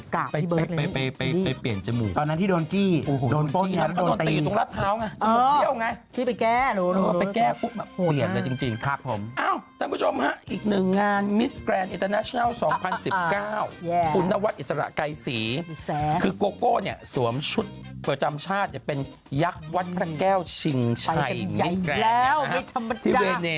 ก็ได้นะครับเป็นชุดที่แบบว่าอันนี้พอแกะยักษ์ออกไปแล้วเป็นอย่างนี้